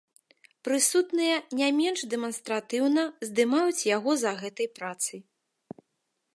Прысутныя не менш дэманстратыўна здымаюць яго за гэтай працай.